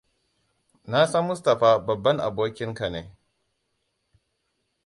Na san Mustapha babban abokin ka ne.